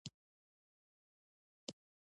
پکتیکا د افغانانو د ژوند طرز اغېزمنوي.